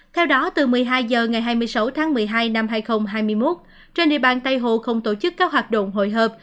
theo đó từ một mươi hai h ngày hai mươi sáu tháng một mươi hai năm hai nghìn hai mươi một trên địa bàn tây hồ không tổ chức các hoạt động hội hợp